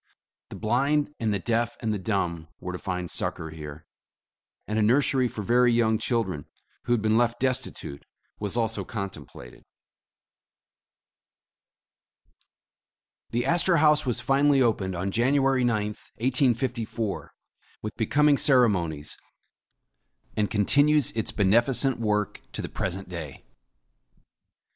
The blind and the deaf and the dumb were to find succor here, and a nursery for very young chil dren, who had been left destitute, was also contempla ted. 258 o Q < 72 < o H The Astorhaus The Astorhaus was finally opened on January 9th, 1854, with becoming ceremonies, and continues its beneficent work to the present day.